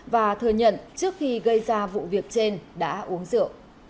và thừa nhận trước khi gây ra vụ việc trên đã uống rượu